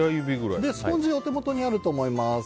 スポンジがお手元にあると思います。